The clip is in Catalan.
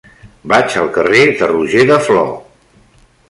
Vaig al carrer de Roger de Flor.